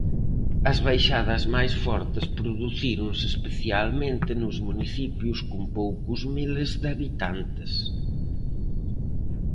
As baixadas máis fortes producíronse especialmente nos municipios con poucos miles de habitantes.